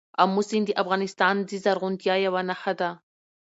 آمو سیند د افغانستان د زرغونتیا یوه نښه ده.